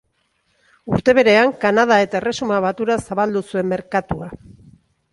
Urte berean Kanada eta Erresuma Batura zabaldu zuen merkatua.